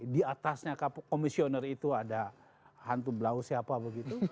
di atasnya komisioner itu ada hantu blau siapa begitu